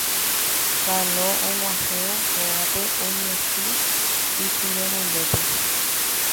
Kalo og̃uahẽvo hógape oñesũ isy renondépe